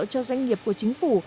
cho doanh nghiệp của chính phủ